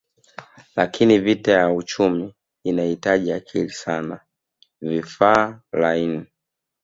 Lakini vita ya uchumi inahitaji akili sana vifaa laini